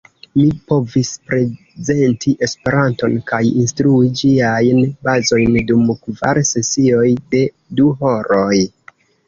Mi povis prezenti Esperanton kaj instrui ĝiajn bazojn dum kvar sesioj de du horoj.